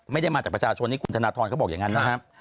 ไม่ได้มาจากประชาชนที่คุณธนทรเขาบอกอย่างนั้นนะครับ